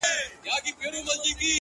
او ستا پر قبر به،